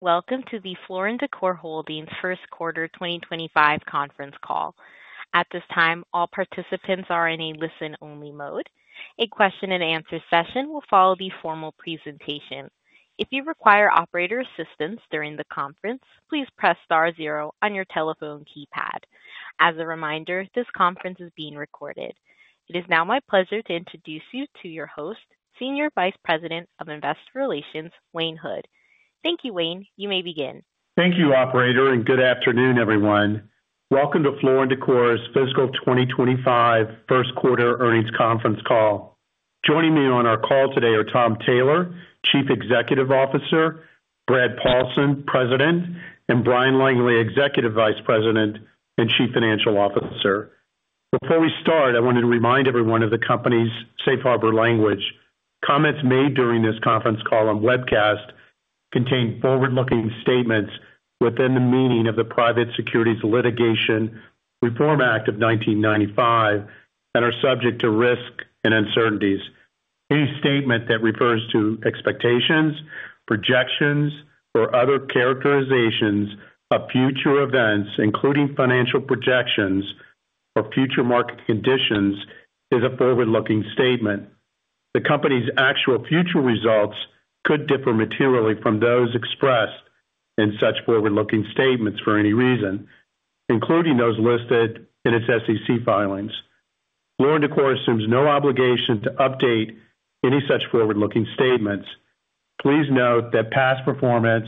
Welcome to the Floor & Decor First Quarter 2025 Conference Call. At this time, all participants are in a listen-only mode. A question-and-answer session will follow the formal presentation. If you require operator assistance during the conference, please press star zero on your telephone keypad. As a reminder, this conference is being recorded. It is now my pleasure to introduce you to your host, Senior Vice President of Investor Relations, Wayne Hood. Thank you, Wayne. You may begin. Thank you, Operator, and good afternoon, everyone. Welcome to Floor & Decor's fiscal 2025 first quarter earnings conference call. Joining me on our call today are Tom Taylor, Chief Executive Officer; Brad Paulsen, President; and Bryan Langley, Executive Vice President and Chief Financial Officer. Before we start, I wanted to remind everyone of the company's safe harbor language. Comments made during this conference call and webcast contain forward-looking statements within the meaning of the Private Securities Litigation Reform Act of 1995 that are subject to risk and uncertainties. Any statement that refers to expectations, projections, or other characterizations of future events, including financial projections or future market conditions, is a forward-looking statement. The company's actual future results could differ materially from those expressed in such forward-looking statements for any reason, including those listed in its SEC filings. Floor & Decor assumes no obligation to update any such forward-looking statements. Please note that past performance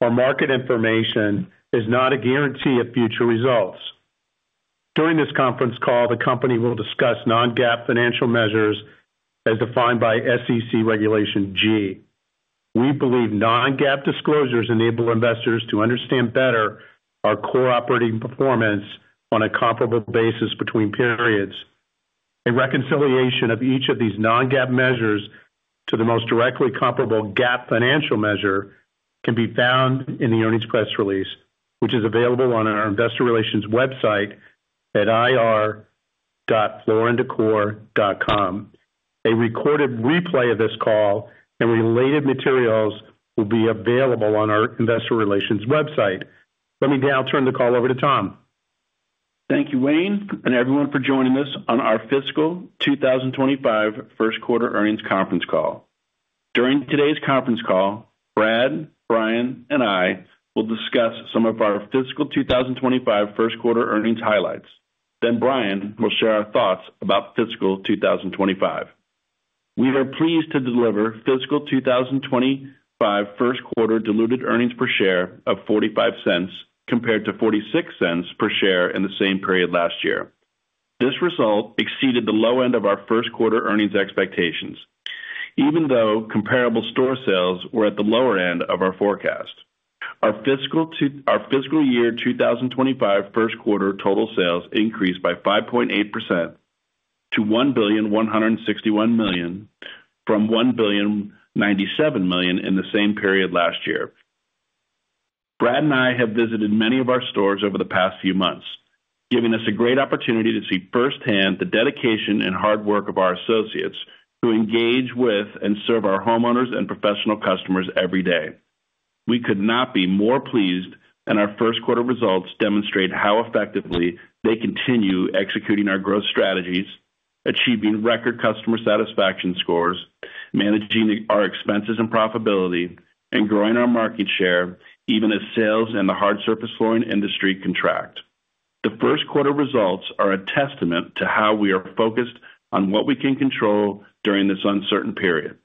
or market information is not a guarantee of future results. During this conference call, the company will discuss non-GAAP financial measures as defined by SEC Regulation G. We believe non-GAAP disclosures enable investors to understand better our core operating performance on a comparable basis between periods. A reconciliation of each of these non-GAAP measures to the most directly comparable GAAP financial measure can be found in the earnings press release, which is available on our Investor Relations website at ir.flooranddecor.com. A recorded replay of this call and related materials will be available on our Investor Relations website. Let me now turn the call over to Tom. Thank you, Wayne, and everyone for joining us on our Fiscal 2025 First Quarter Earnings Conference Call. During today's conference call, Brad, Bryan, and I will discuss some of our fiscal 2025 first quarter earnings highlights. Bryan will share our thoughts about fiscal 2025. We are pleased to deliver fiscal 2025 first quarter diluted earnings per share of $0.45 compared to $0.46 per share in the same period last year. This result exceeded the low end of our first quarter earnings expectations, even though comparable store sales were at the lower end of our forecast. Our fiscal year 2025 first quarter total sales increased by 5.8% to $1,161,000,000 from $1,097,000,000 in the same period last year. Brad and I have visited many of our stores over the past few months, giving us a great opportunity to see firsthand the dedication and hard work of our associates who engage with and serve our homeowners and professional customers every day. We could not be more pleased that our first quarter results demonstrate how effectively they continue executing our growth strategies, achieving record customer satisfaction scores, managing our expenses and profitability, and growing our market share even as sales and the hard surface flooring industry contract. The first quarter results are a testament to how we are focused on what we can control during this uncertain period.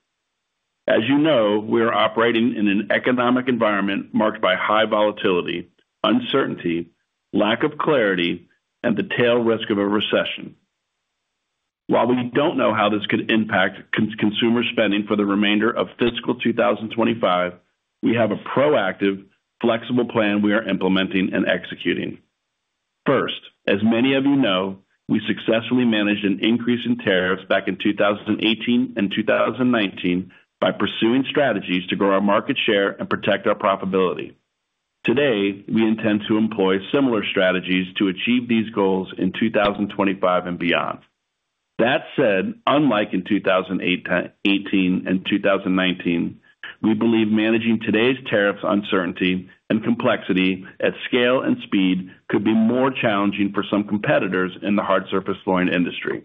As you know, we are operating in an economic environment marked by high volatility, uncertainty, lack of clarity, and the tail risk of a recession. While we don't know how this could impact consumer spending for the remainder of fiscal 2025, we have a proactive, flexible plan we are implementing and executing. First, as many of you know, we successfully managed an increase in tariffs back in 2018 and 2019 by pursuing strategies to grow our market share and protect our profitability. Today, we intend to employ similar strategies to achieve these goals in 2025 and beyond. That said, unlike in 2018 and 2019, we believe managing today's tariffs, uncertainty, and complexity at scale and speed could be more challenging for some competitors in the hard surface flooring industry.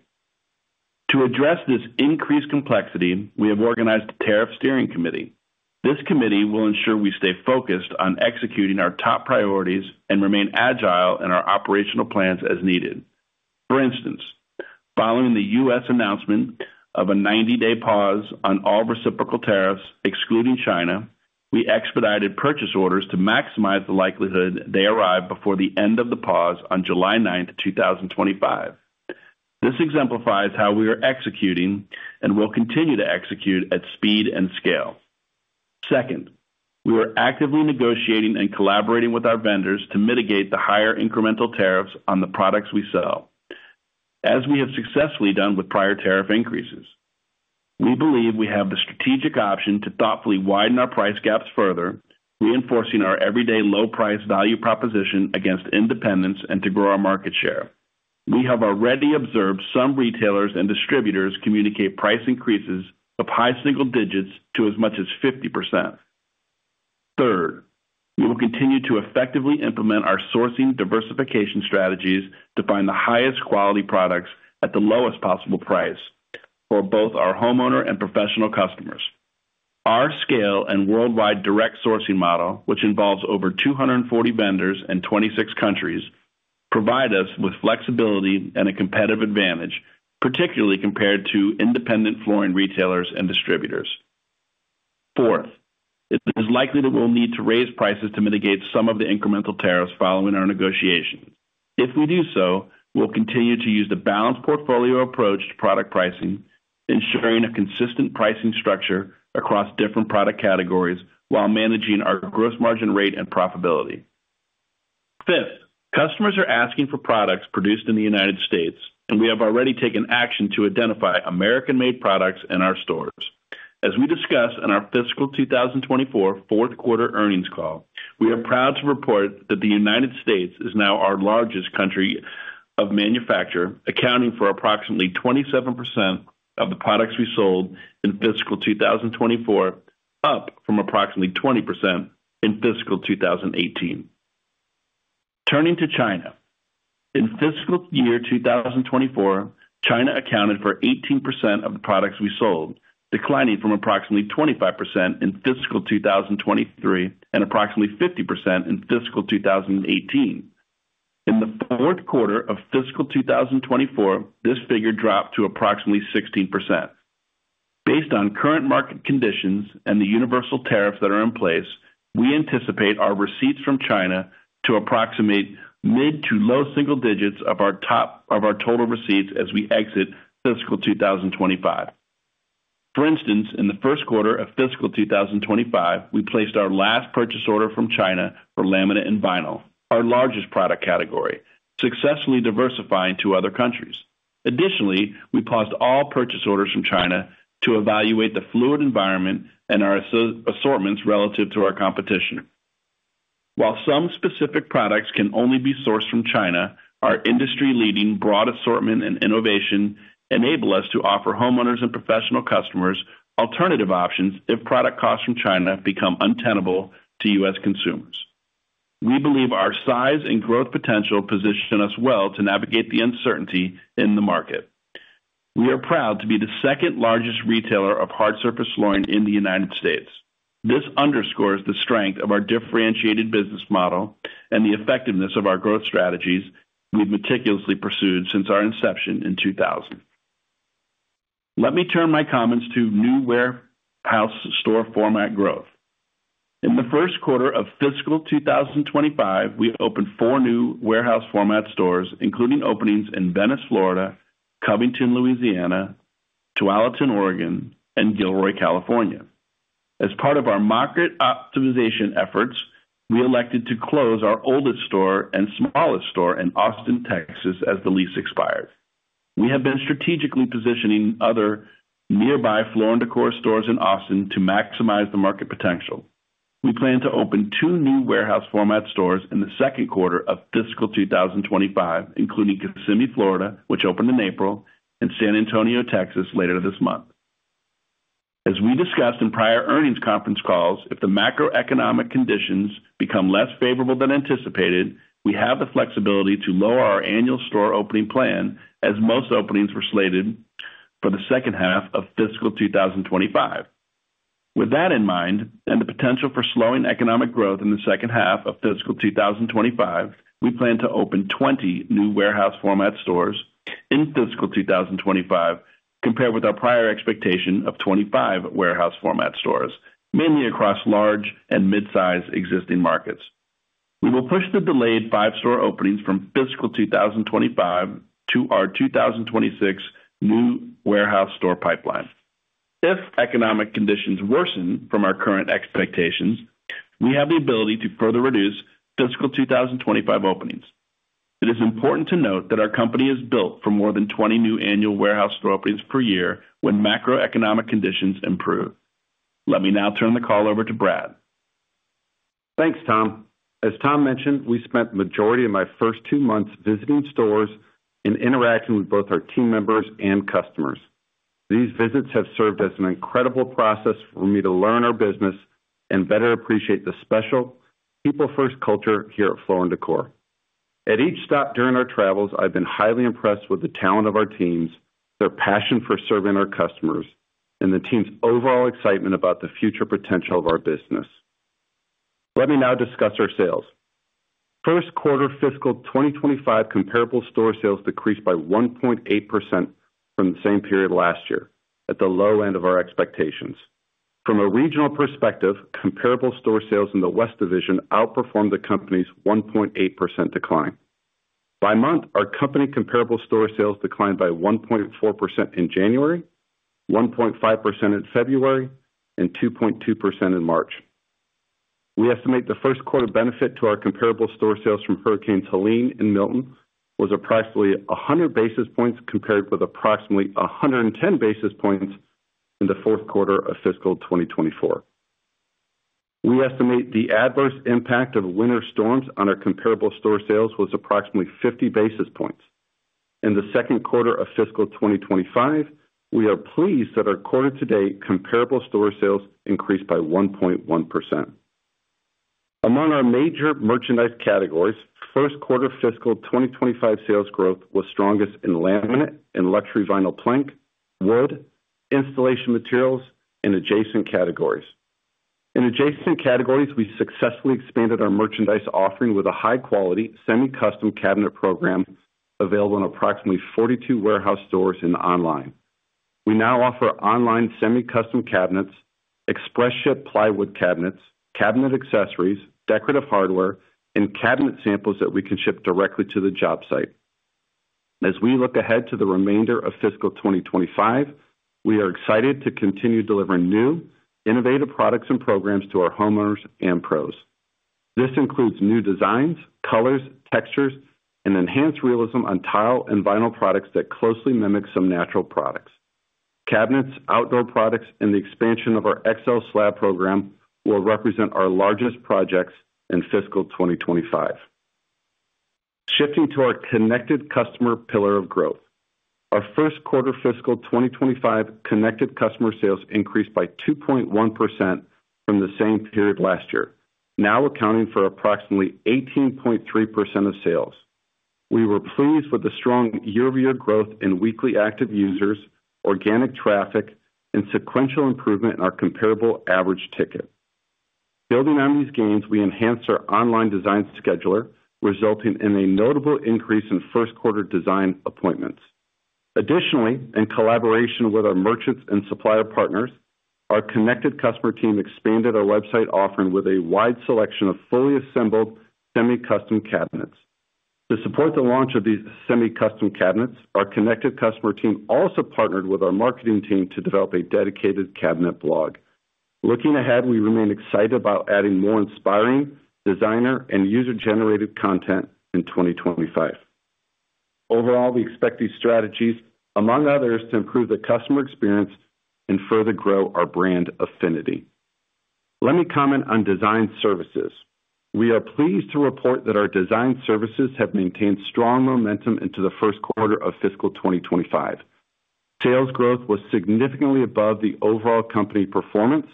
To address this increased complexity, we have organized a Tariff Steering Committee. This committee will ensure we stay focused on executing our top priorities and remain agile in our operational plans as needed. For instance, following the U.S. Announcement of a 90-day pause on all reciprocal tariffs excluding China, we expedited purchase orders to maximize the likelihood they arrive before the end of the pause on July 9, 2025. This exemplifies how we are executing and will continue to execute at speed and scale. Second, we are actively negotiating and collaborating with our vendors to mitigate the higher incremental tariffs on the products we sell, as we have successfully done with prior tariff increases. We believe we have the strategic option to thoughtfully widen our price gaps further, reinforcing our everyday low-price value proposition against independents and to grow our market share. We have already observed some retailers and distributors communicate price increases of high single digits to as much as 50%. Third, we will continue to effectively implement our sourcing diversification strategies to find the highest quality products at the lowest possible price for both our homeowner and professional customers. Our scale and worldwide direct sourcing model, which involves over 240 vendors in 26 countries, provide us with flexibility and a competitive advantage, particularly compared to independent flooring retailers and distributors. Fourth, it is likely that we'll need to raise prices to mitigate some of the incremental tariffs following our negotiations. If we do so, we'll continue to use the balanced portfolio approach to product pricing, ensuring a consistent pricing structure across different product categories while managing our gross margin rate and profitability. Fifth, customers are asking for products produced in the United States, and we have already taken action to identify American-made products in our stores. As we discussed in our fiscal 2024 Fourth Quarter Earnings Call, we are proud to report that the United States is now our largest country of manufacture, accounting for approximately 27% of the products we sold in fiscal 2024, up from approximately 20% in fiscal 2018. Turning to China, in fiscal year 2024, China accounted for 18% of the products we sold, declining from approximately 25% in fiscal 2023 and approximately 50% in fiscal 2018. In the fourth quarter of fiscal 2024, this figure dropped to approximately 16%. Based on current market conditions and the universal tariffs that are in place, we anticipate our receipts from China to approximate mid to low single digits of our total receipts as we exit fiscal 2025. For instance, in the first quarter of fiscal 2025, we placed our last purchase order from China for laminate and vinyl, our largest product category, successfully diversifying to other countries. Additionally, we paused all purchase orders from China to evaluate the fluid environment and our assortments relative to our competition. While some specific products can only be sourced from China, our industry-leading broad assortment and innovation enable us to offer homeowners and professional customers alternative options if product costs from China become untenable to U.S. consumers. We believe our size and growth potential position us well to navigate the uncertainty in the market. We are proud to be the second largest retailer of hard surface flooring in the United States. This underscores the strength of our differentiated business model and the effectiveness of our growth strategies we've meticulously pursued since our inception in 2000. Let me turn my comments to new warehouse store format growth. In the first quarter of fiscal 2025, we opened four new warehouse format stores, including openings in Venice, Florida, Covington, Louisiana, Tualatin, Oregon, and Gilroy, California. As part of our market optimization efforts, we elected to close our oldest store and smallest store in Austin, Texas, as the lease expired. We have been strategically positioning other nearby Floor & Decor stores in Austin to maximize the market potential. We plan to open two new warehouse format stores in the second quarter of fiscal 2025, including Kissimmee, Florida, which opened in April, and San Antonio, Texas, later this month. As we discussed in prior earnings conference calls, if the macroeconomic conditions become less favorable than anticipated, we have the flexibility to lower our annual store opening plan, as most openings were slated for the second half of fiscal 2025. With that in mind and the potential for slowing economic growth in the second half of fiscal 2025, we plan to open 20 new warehouse format stores in fiscal 2025, compared with our prior expectation of 25 warehouse format stores, mainly across large and mid-size existing markets. We will push the delayed five-store openings from fiscal 2025 to our 2026 new warehouse store pipeline. If economic conditions worsen from our current expectations, we have the ability to further reduce fiscal 2025 openings. It is important to note that our company is built for more than 20 new annual warehouse store openings per year when macroeconomic conditions improve. Let me now turn the call over to Brad. Thanks, Tom. As Tom mentioned, we spent the majority of my first two months visiting stores and interacting with both our team members and customers. These visits have served as an incredible process for me to learn our business and better appreciate the special people-first culture here at Floor & Decor. At each stop during our travels, I've been highly impressed with the talent of our teams, their passion for serving our customers, and the team's overall excitement about the future potential of our business. Let me now discuss our sales. First quarter fiscal 2025 comparable store sales decreased by 1.8% from the same period last year, at the low end of our expectations. From a regional perspective, comparable store sales in the West Division outperformed the company's 1.8% decline. By month, our company comparable store sales declined by 1.4% in January, 1.5% in February, and 2.2% in March. We estimate the first quarter benefit to our comparable store sales from hurricanes Helene and Milton was approximately 100 basis points compared with approximately 110 basis points in the fourth quarter of fiscal 2024. We estimate the adverse impact of winter storms on our comparable store sales was approximately 50 basis points. In the second quarter of fiscal 2025, we are pleased that our quarter-to-date comparable store sales increased by 1.1%. Among our major merchandise categories, first quarter fiscal 2025 sales growth was strongest in laminate and luxury vinyl plank, wood, installation materials, and adjacent categories. In adjacent categories, we successfully expanded our merchandise offering with a high-quality semi-custom cabinet program available in approximately 42 warehouse stores and online. We now offer online semi-custom cabinets, express ship plywood cabinets, cabinet accessories, decorative hardware, and cabinet samples that we can ship directly to the job site. As we look ahead to the remainder of fiscal 2025, we are excited to continue delivering new, innovative products and programs to our homeowners and pros. This includes new designs, colors, textures, and enhanced realism on tile and vinyl products that closely mimic some natural products. Cabinets, outdoor products, and the expansion of our XL slab program will represent our largest projects in fiscal 2025. Shifting to our connected customer pillar of growth, our first quarter fiscal 2025 connected customer sales increased by 2.1% from the same period last year, now accounting for approximately 18.3% of sales. We were pleased with the strong year-over-year growth in weekly active users, organic traffic, and sequential improvement in our comparable average ticket. Building on these gains, we enhanced our online design scheduler, resulting in a notable increase in first-quarter design appointments. Additionally, in collaboration with our merchants and supplier partners, our connected customer team expanded our website offering with a wide selection of fully assembled semi-custom cabinets. To support the launch of these semi-custom cabinets, our connected customer team also partnered with our marketing team to develop a dedicated cabinet blog. Looking ahead, we remain excited about adding more inspiring, designer, and user-generated content in 2025. Overall, we expect these strategies, among others, to improve the customer experience and further grow our brand affinity. Let me comment on design services. We are pleased to report that our design services have maintained strong momentum into the first quarter of fiscal 2025. Sales growth was significantly above the overall company performance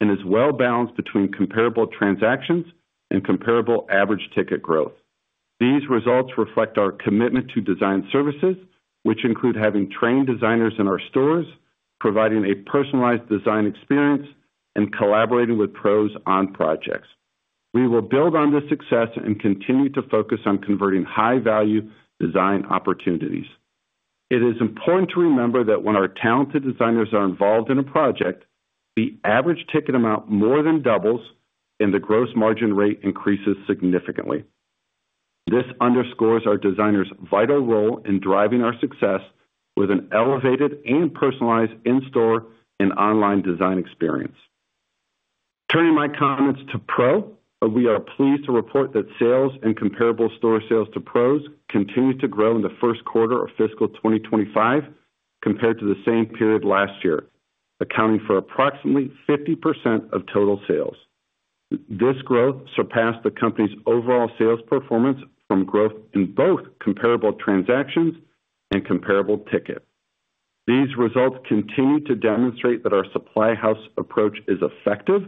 and is well-balanced between comparable transactions and comparable average ticket growth. These results reflect our commitment to design services, which include having trained designers in our stores, providing a personalized design experience, and collaborating with pros on projects. We will build on this success and continue to focus on converting high-value design opportunities. It is important to remember that when our talented designers are involved in a project, the average ticket amount more than doubles and the gross margin rate increases significantly. This underscores our designers' vital role in driving our success with an elevated and personalized in-store and online design experience. Turning my comments to pro, we are pleased to report that sales and comparable store sales to pros continue to grow in the first quarter of fiscal 2025 compared to the same period last year, accounting for approximately 50% of total sales. This growth surpassed the company's overall sales performance from growth in both comparable transactions and comparable ticket. These results continue to demonstrate that our supply house approach is effective,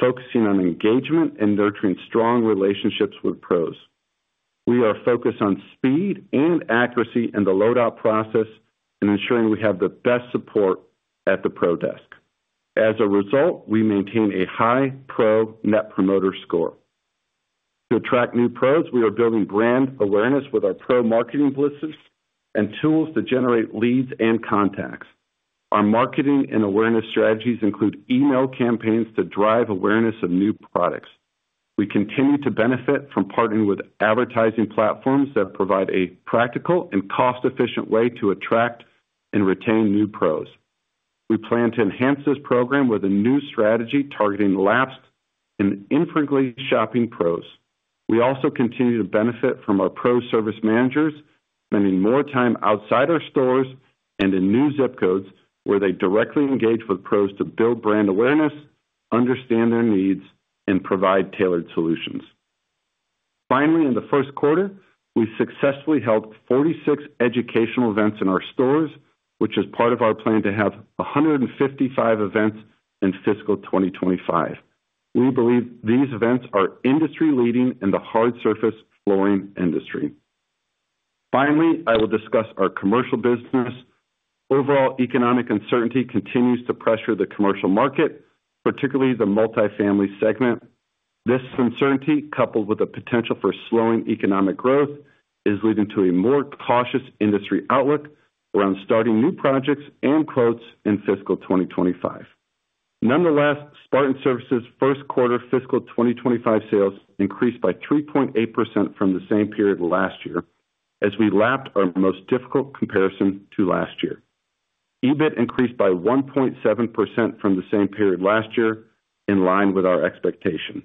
focusing on engagement and nurturing strong relationships with pros. We are focused on speed and accuracy in the load-out process and ensuring we have the best support at the Pro Desk. As a result, we maintain a high Pro Net Promoter Score. To attract new pros, we are building brand awareness with our pro marketing blitzes and tools to generate leads and contacts. Our marketing and awareness strategies include email campaigns to drive awareness of new products. We continue to benefit from partnering with advertising platforms that provide a practical and cost-efficient way to attract and retain new pros. We plan to enhance this program with a new strategy targeting lapsed and infrequently shopping pros. We also continue to benefit from our Pro Service Managers, spending more time outside our stores and in new zip codes where they directly engage with pros to build brand awareness, understand their needs, and provide tailored solutions. Finally, in the first quarter, we successfully held 46 educational events in our stores, which is part of our plan to have 155 events in fiscal 2025. We believe these events are industry-leading in the hard surface flooring industry. Finally, I will discuss our commercial business. Overall economic uncertainty continues to pressure the commercial market, particularly the multifamily segment. This uncertainty, coupled with the potential for slowing economic growth, is leading to a more cautious industry outlook around starting new projects and quotes in fiscal 2025. Nonetheless, Spartan Surfaces' first quarter fiscal 2025 sales increased by 3.8% from the same period last year, as we lapped our most difficult comparison to last year. EBIT increased by 1.7% from the same period last year, in line with our expectation.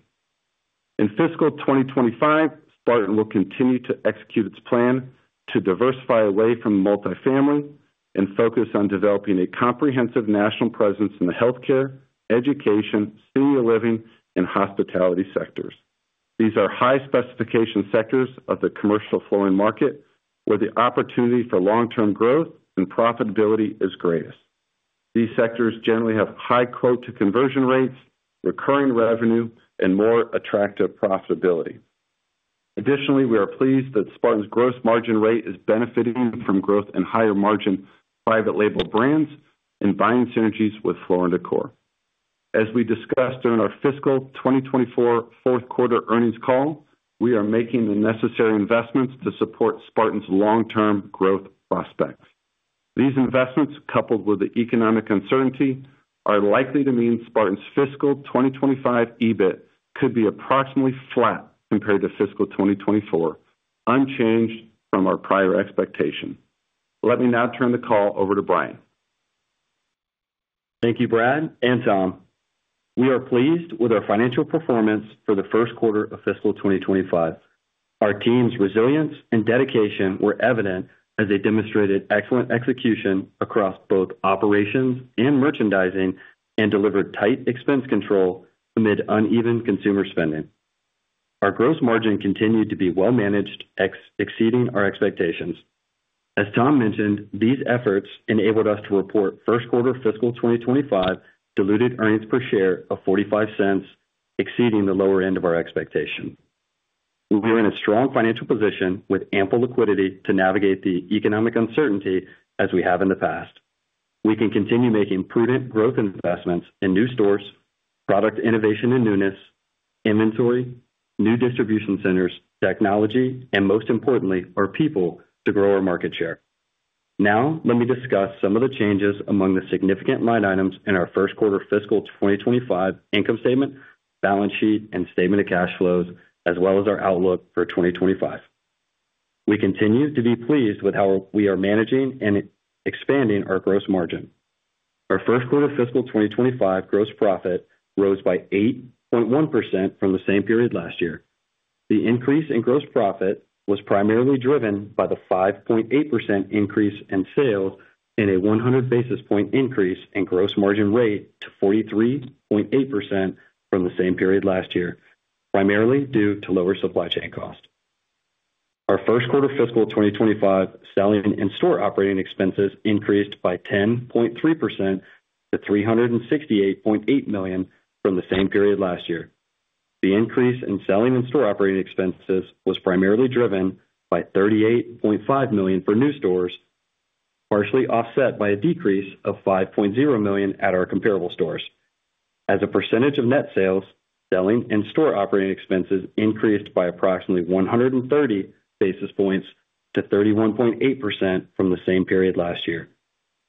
In fiscal 2025, Spartan will continue to execute its plan to diversify away from multifamily and focus on developing a comprehensive national presence in the healthcare, education, senior living, and hospitality sectors. These are high-specification sectors of the commercial flooring market, where the opportunity for long-term growth and profitability is greatest. These sectors generally have high quote-to-conversion rates, recurring revenue, and more attractive profitability. Additionally, we are pleased that Spartan's gross margin rate is benefiting from growth in higher-margin private label brands and buying synergies with Floor & Decor. As we discussed during our Fiscal 2024 Fourth-Quarter Earnings Call, we are making the necessary investments to support Spartan's long-term growth prospects. These investments, coupled with the economic uncertainty, are likely to mean Spartan's fiscal 2025 EBIT could be approximately flat compared to fiscal 2024, unchanged from our prior expectation. Let me now turn the call over to Bryan. Thank you, Brad and Tom. We are pleased with our financial performance for the first quarter of fiscal 2025. Our team's resilience and dedication were evident as they demonstrated excellent execution across both operations and merchandising and delivered tight expense control amid uneven consumer spending. Our gross margin continued to be well-managed, exceeding our expectations. As Tom mentioned, these efforts enabled us to report first-quarter fiscal 2025 diluted earnings per share of $0.45, exceeding the lower end of our expectation. We are in a strong financial position with ample liquidity to navigate the economic uncertainty as we have in the past. We can continue making prudent growth investments in new stores, product innovation and newness, inventory, new distribution centers, technology, and most importantly, our people to grow our market share. Now, let me discuss some of the changes among the significant line items in our first quarter fiscal 2025 income statement, balance sheet, and statement of cash flows, as well as our outlook for 2025. We continue to be pleased with how we are managing and expanding our gross margin. Our first quarter fiscal 2025 gross profit rose by 8.1% from the same period last year. The increase in gross profit was primarily driven by the 5.8% increase in sales and a 100 basis point increase in gross margin rate to 43.8% from the same period last year, primarily due to lower supply chain costs. Our first quarter fiscal 2025 selling and store operating expenses increased by 10.3% to $368.8 million from the same period last year. The increase in selling and store operating expenses was primarily driven by $38.5 million for new stores, partially offset by a decrease of $5.0 million at our comparable stores. As a percentage of net sales, selling and store operating expenses increased by approximately 130 basis points to 31.8% from the same period last year.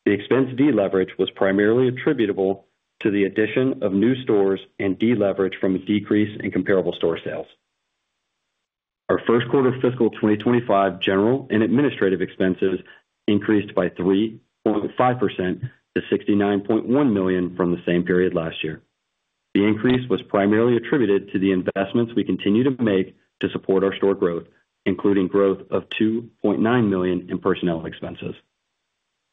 The expense deleverage was primarily attributable to the addition of new stores and deleverage from a decrease in comparable store sales. Our first quarter fiscal 2025 general and administrative expenses increased by 3.5% to $69.1 million from the same period last year. The increase was primarily attributed to the investments we continue to make to support our store growth, including growth of $2.9 million in personnel expenses.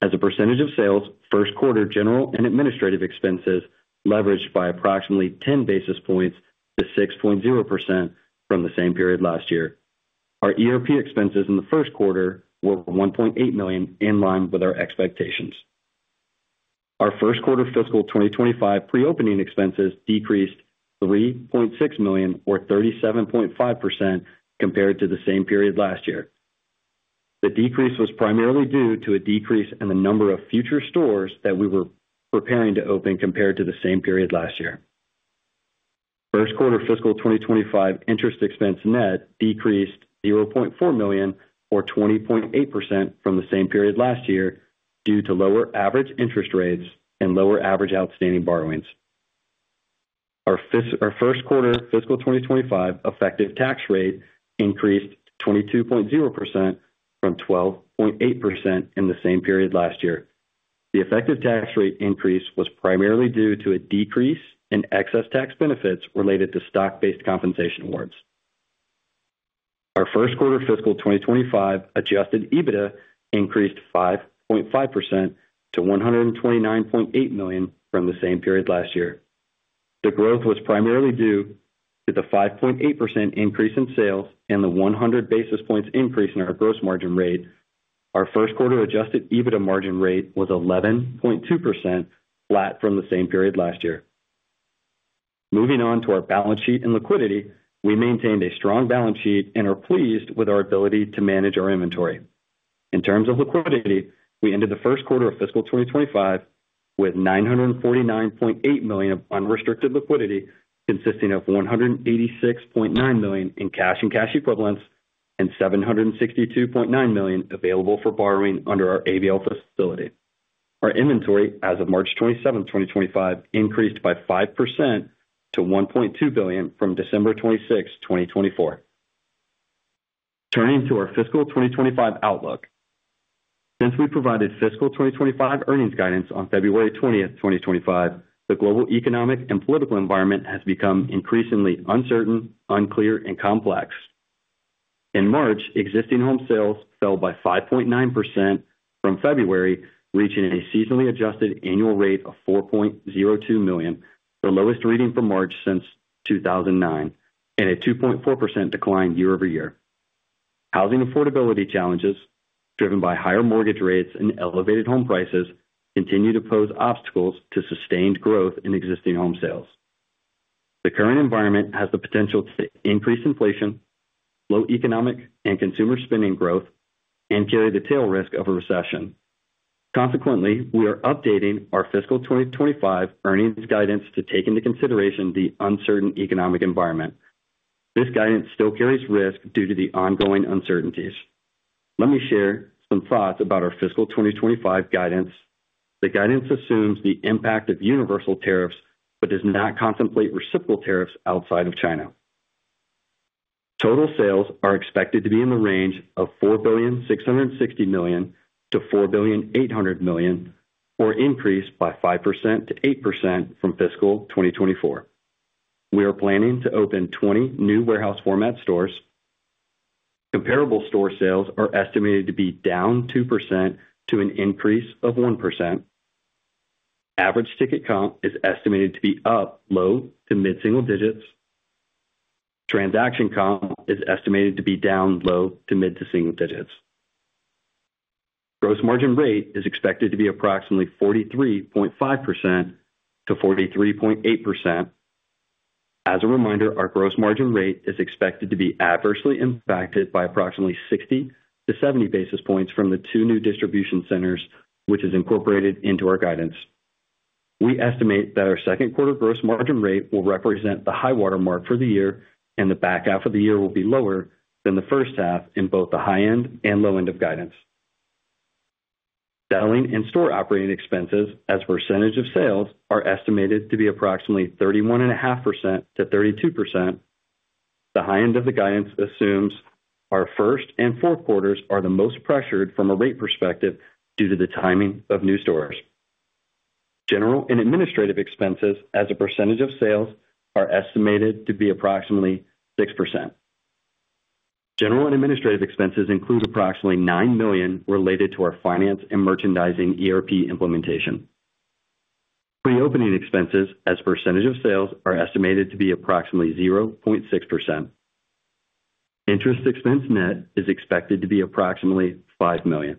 As a percentage of sales, first quarter general and administrative expenses leveraged by approximately 10 basis points to 6.0% from the same period last year. Our ERP expenses in the first quarter were $1.8 million in line with our expectations. Our first quarter fiscal 2025 pre-opening expenses decreased $3.6 million, or 37.5%, compared to the same period last year. The decrease was primarily due to a decrease in the number of future stores that we were preparing to open compared to the same period last year. First quarter fiscal 2025 interest expense net decreased $0.4 million, or 20.8%, from the same period last year due to lower average interest rates and lower average outstanding borrowings. Our first quarter fiscal 2025 effective tax rate increased to 22.0% from 12.8% in the same period last year. The effective tax rate increase was primarily due to a decrease in excess tax benefits related to stock-based compensation awards. Our first quarter fiscal 2025 adjusted EBITDA increased 5.5% to $129.8 million from the same period last year. The growth was primarily due to the 5.8% increase in sales and the 100 basis points increase in our gross margin rate. Our first quarter adjusted EBITDA margin rate was 11.2%, flat from the same period last year. Moving on to our balance sheet and liquidity, we maintained a strong balance sheet and are pleased with our ability to manage our inventory. In terms of liquidity, we ended the first quarter of fiscal 2025 with $949.8 million of unrestricted liquidity, consisting of $186.9 million in cash and cash equivalents and $762.9 million available for borrowing under our ABL facility. Our inventory as of March 27, 2025, increased by 5% to $1.2 billion from December 26, 2024. Turning to our fiscal 2025 outlook, since we provided fiscal 2025 earnings guidance on February 20, 2025, the global economic and political environment has become increasingly uncertain, unclear, and complex. In March, existing home sales fell by 5.9% from February, reaching a seasonally adjusted annual rate of 4.02 million, the lowest reading for March since 2009, and a 2.4% decline year over year. Housing affordability challenges, driven by higher mortgage rates and elevated home prices, continue to pose obstacles to sustained growth in existing home sales. The current environment has the potential to increase inflation, slow economic and consumer spending growth, and carry the tail risk of a recession. Consequently, we are updating our fiscal 2025 earnings guidance to take into consideration the uncertain economic environment. This guidance still carries risk due to the ongoing uncertainties. Let me share some thoughts about our fiscal 2025 guidance. The guidance assumes the impact of universal tariffs but does not contemplate reciprocal tariffs outside of China. Total sales are expected to be in the range of $4,660,000,000-$4,800,000,000, or increase by 5%-8% from fiscal 2024. We are planning to open 20 new warehouse format stores. Comparable store sales are estimated to be down 2% to an increase of 1%. Average ticket count is estimated to be up low to mid-single digits. Transaction count is estimated to be down low to mid-single digits. Gross margin rate is expected to be approximately 43.5%-43.8%. As a reminder, our gross margin rate is expected to be adversely impacted by approximately 60-70 basis points from the two new distribution centers, which is incorporated into our guidance. We estimate that our second quarter gross margin rate will represent the high watermark for the year, and the back half of the year will be lower than the first half in both the high end and low end of guidance. Selling and store operating expenses as a percentage of sales are estimated to be approximately 31.5%-32%. The high end of the guidance assumes our first and fourth quarters are the most pressured from a rate perspective due to the timing of new stores. General and administrative expenses as a percentage of sales are estimated to be approximately 6%. General and administrative expenses include approximately $9 million related to our finance and merchandising ERP implementation. Pre-opening expenses as a percentage of sales are estimated to be approximately 0.6%. Interest expense net is expected to be approximately $5 million.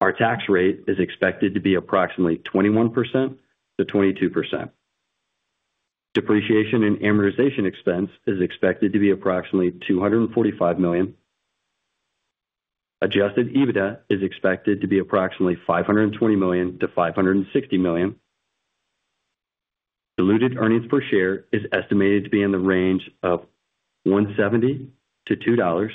Our tax rate is expected to be approximately 21%-22%. Depreciation and amortization expense is expected to be approximately $245 million. Adjusted EBITDA is expected to be approximately $520 million-$560 million. Diluted earnings per share is estimated to be in the range of $1.70-$2.00.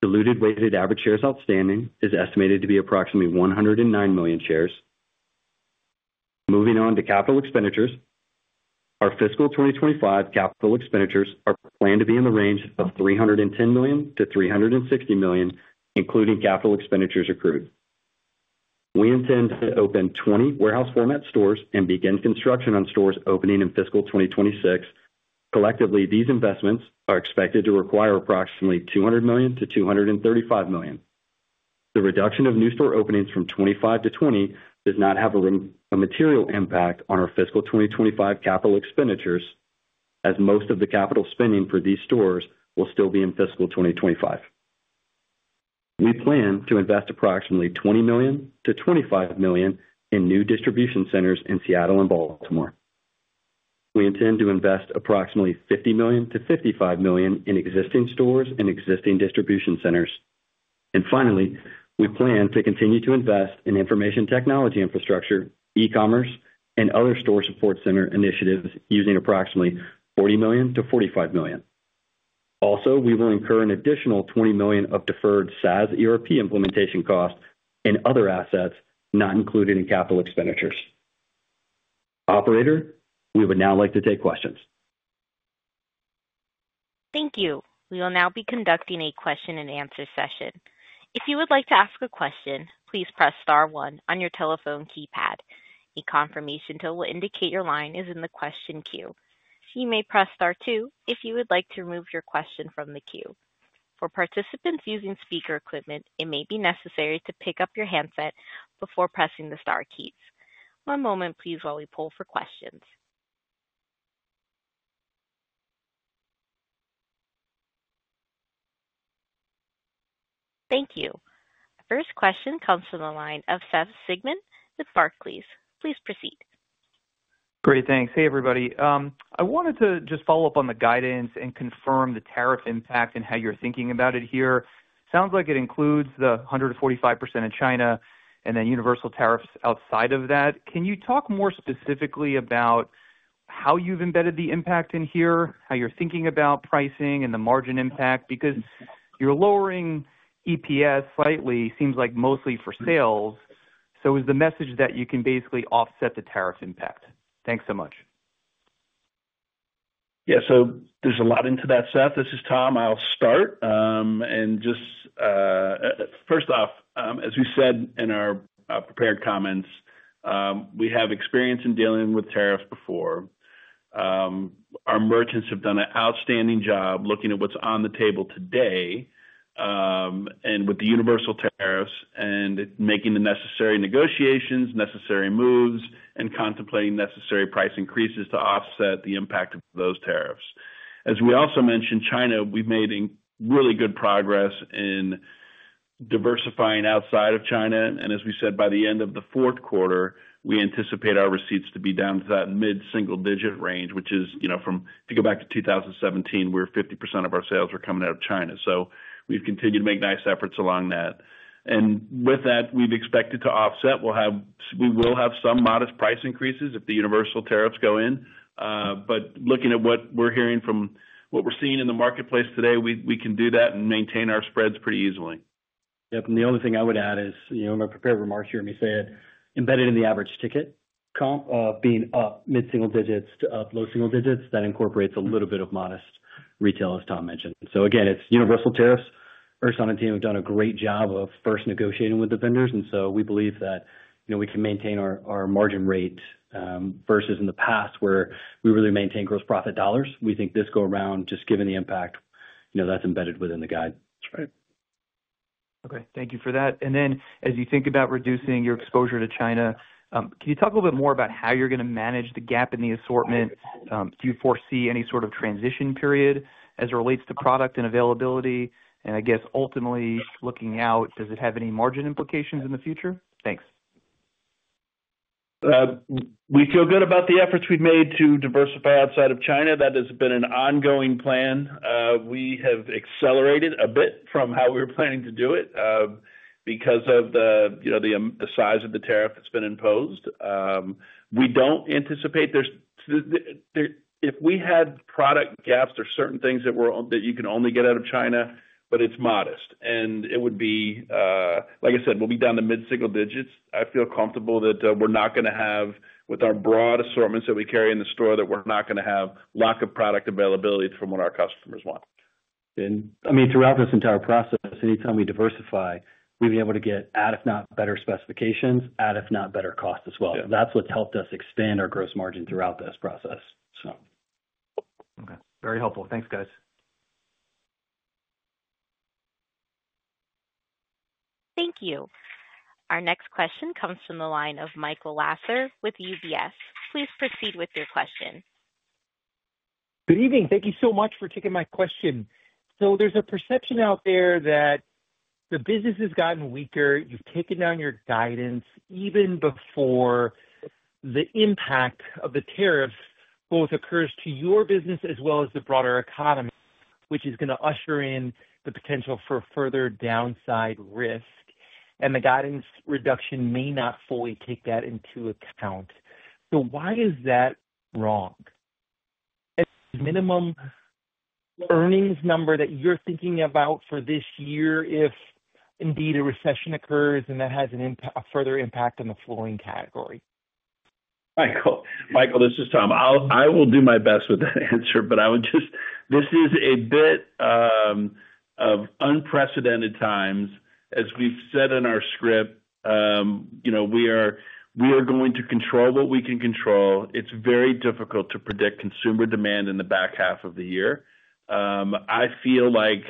Diluted weighted average shares outstanding is estimated to be approximately 109 million shares. Moving on to capital expenditures, our fiscal 2025 capital expenditures are planned to be in the range of $310 million-$360 million, including capital expenditures accrued. We intend to open 20 warehouse format stores and begin construction on stores opening in fiscal 2026. Collectively, these investments are expected to require approximately $200 million-$235 million. The reduction of new store openings from 25 to 20 does not have a material impact on our fiscal 2025 capital expenditures, as most of the capital spending for these stores will still be in fiscal 2025. We plan to invest approximately $20 million-$25 million in new distribution centers in Seattle and Baltimore. We intend to invest approximately $50 million-$55 million in existing stores and existing distribution centers. Finally, we plan to continue to invest in information technology infrastructure, e-commerce, and other store support center initiatives using approximately $40 million-$45 million. Also, we will incur an additional $20 million of deferred SaaS ERP implementation costs and other assets not included in capital expenditures. Operator, we would now like to take questions. Thank you. We will now be conducting a question and answer session. If you would like to ask a question, please press star one on your telephone keypad. A confirmation tone will indicate your line is in the question queue. You may press star two if you would like to remove your question from the queue. For participants using speaker equipment, it may be necessary to pick up your handset before pressing the star keys. One moment, please, while we pull for questions. Thank you. Our first question comes from the line of Seth Sigman with Barclays. Please proceed. Great, thanks. Hey, everybody. I wanted to just follow up on the guidance and confirm the tariff impact and how you're thinking about it here. Sounds like it includes the 145% in China and then universal tariffs outside of that. Can you talk more specifically about how you've embedded the impact in here, how you're thinking about pricing and the margin impact? Because you're lowering EPS slightly, seems like mostly for sales. Is the message that you can basically offset the tariff impact? Thanks so much. Yeah, so there's a lot into that, Seth. This is Tom. I'll start. Just first off, as we said in our prepared comments, we have experience in dealing with tariffs before. Our merchants have done an outstanding job looking at what's on the table today with the universal tariffs and making the necessary negotiations, necessary moves, and contemplating necessary price increases to offset the impact of those tariffs. As we also mentioned, China, we've made really good progress in diversifying outside of China. As we said, by the end of the fourth quarter, we anticipate our receipts to be down to that mid-single digit range, which is, you know, if you go back to 2017, 50% of our sales were coming out of China. We've continued to make nice efforts along that. With that, we've expected to offset. We will have some modest price increases if the universal tariffs go in. Looking at what we're hearing from what we're seeing in the marketplace today, we can do that and maintain our spreads pretty easily. Yep. The only thing I would add is, you know, my prepared remarks, you heard me say it embedded in the average ticket comp of being up mid-single digits to up low single digits, that incorporates a little bit of modest retail, as Tom mentioned. Again, it's universal tariffs. Ersan and my team have done a great job of first negotiating with the vendors. We believe that, you know, we can maintain our margin rate versus in the past where we really maintained gross profit dollars. We think this go around, just given the impact, you know, that's embedded within the guide. That's right. Okay. Thank you for that. As you think about reducing your exposure to China, can you talk a little bit more about how you're going to manage the gap in the assortment? Do you foresee any sort of transition period as it relates to product and availability? I guess ultimately looking out, does it have any margin implications in the future? Thanks. We feel good about the efforts we've made to diversify outside of China. That has been an ongoing plan. We have accelerated a bit from how we were planning to do it because of the, you know, the size of the tariff that's been imposed. We don't anticipate there, if we had product gaps or certain things that were that you can only get out of China, but it's modest. And it would be, like I said, we'll be down to mid-single digits. I feel comfortable that we're not going to have, with our broad assortments that we carry in the store, that we're not going to have lack of product availability from what our customers want. I mean, throughout this entire process, anytime we diversify, we've been able to get, if not better specifications, if not better costs as well. That's what's helped us expand our gross margin throughout this process. Okay. Very helpful. Thanks, guys. Thank you. Our next question comes from the line of Michael Lasser with UBS. Please proceed with your question. Good evening. Thank you so much for taking my question. There is a perception out there that the business has gotten weaker. You have taken down your guidance even before the impact of the tariffs both occurs to your business as well as the broader economy, which is going to usher in the potential for further downside risk. The guidance reduction may not fully take that into account. Why is that wrong? A minimum earnings number that you are thinking about for this year, if indeed a recession occurs and that has a further impact on the flooring category. Michael, Michael, this is Tom. I will do my best with that answer, but I would just say this is a bit of unprecedented times. As we've said in our script, you know, we are going to control what we can control. It's very difficult to predict consumer demand in the back half of the year. I feel like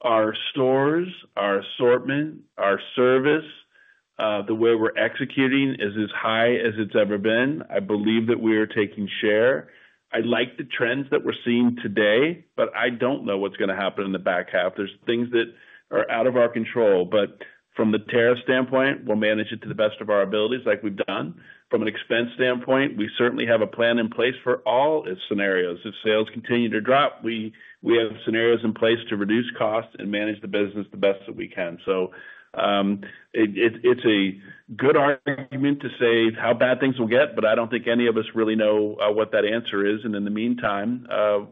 our stores, our assortment, our service, the way we're executing is as high as it's ever been. I believe that we are taking share. I like the trends that we're seeing today, but I don't know what's going to happen in the back half. There are things that are out of our control. From the tariff standpoint, we'll manage it to the best of our abilities like we've done. From an expense standpoint, we certainly have a plan in place for all scenarios. If sales continue to drop, we have scenarios in place to reduce costs and manage the business the best that we can. It is a good argument to say how bad things will get, but I do not think any of us really know what that answer is. In the meantime,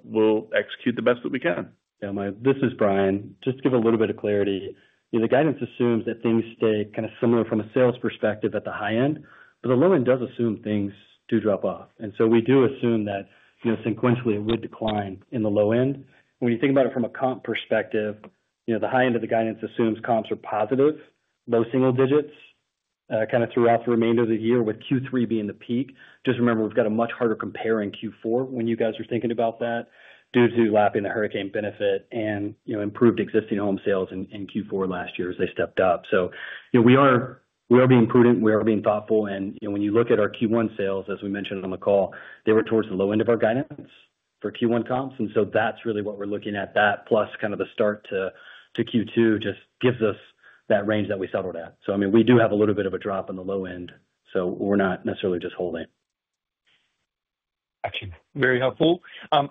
we will execute the best that we can. Yeah, Mike, this is Bryan. Just to give a little bit of clarity, you know, the guidance assumes that things stay kind of similar from a sales perspective at the high end, but the low end does assume things do drop off. We do assume that, you know, sequentially it would decline in the low end. When you think about it from a comp perspective, you know, the high end of the guidance assumes comps are positive, low single digits kind of throughout the remainder of the year with Q3 being the peak. Just remember, we've got a much harder comparing Q4 when you guys are thinking about that due to lapping the hurricane benefit and, you know, improved existing home sales in Q4 last year as they stepped up. You know, we are being prudent. We are being thoughtful. You know, when you look at our Q1 sales, as we mentioned on the call, they were towards the low end of our guidance for Q1 comps. That is really what we are looking at. That plus kind of the start to Q2 just gives us that range that we settled at. I mean, we do have a little bit of a drop on the low end, so we are not necessarily just holding. Gotcha. Very helpful.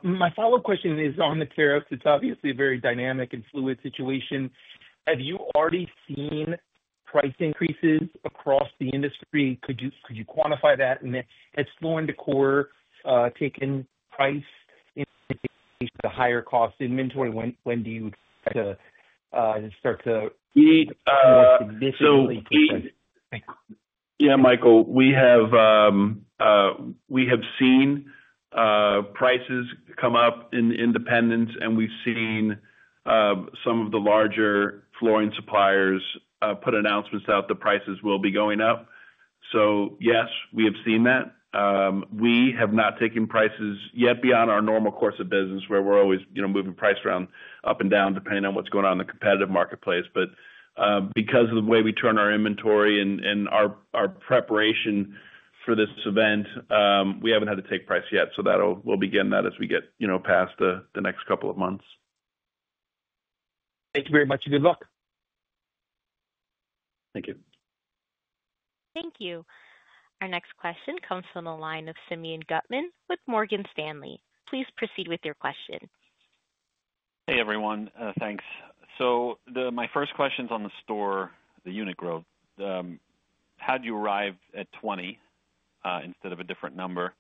My follow-up question is on the tariffs. It's obviously a very dynamic and fluid situation. Have you already seen price increases across the industry? Could you quantify that? Has Floor & Decor taken price in the higher cost inventory? When do you start to need more significantly? Yeah, Michael, we have seen prices come up in independents, and we've seen some of the larger flooring suppliers put announcements out that prices will be going up. Yes, we have seen that. We have not taken prices yet beyond our normal course of business where we're always, you know, moving price around up and down depending on what's going on in the competitive marketplace. Because of the way we turn our inventory and our preparation for this event, we haven't had to take price yet. That'll begin as we get past the next couple of months. Thank you very much and good luck. Thank you. Thank you. Our next question comes from the line of Simeon Gutman with Morgan Stanley. Please proceed with your question. Hey, everyone. Thanks. My first question's on the store, the unit growth. How'd you arrive at 20 instead of a different number?